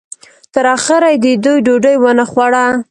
تر اخره یې د دوی ډوډۍ ونه خوړه.